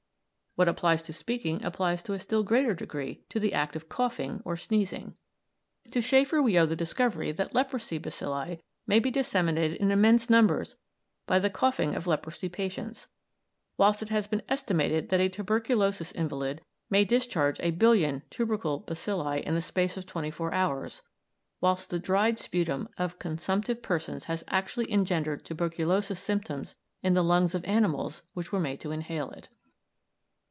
What applies to speaking applies to a still greater degree to the act of coughing or sneezing. To Schäffer we owe the discovery that leprosy bacilli may be disseminated in immense numbers by the coughing of leprosy patients, whilst it has been estimated that a tuberculous invalid may discharge a billion tubercle bacilli in the space of twenty four hours, whilst the dried sputum of consumptive persons has actually engendered tuberculous symptoms in the lungs of animals which were made to inhale it.